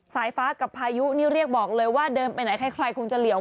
สายฟ้ากับพายุนี่เรียกบอกเลยว่าเดินไปไหนใครคงจะเหลียว